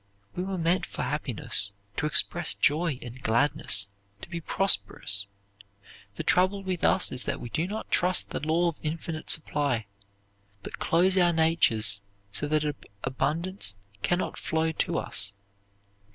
We were made for happiness, to express joy and gladness, to be prosperous. The trouble with us is that we do not trust the law of infinite supply, but close our natures so that abundance cannot flow to us.